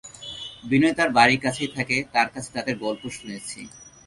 বিনয় তাঁর বাড়ির কাছেই থাকে, তার কাছে তাঁদের গল্প শুনেছি।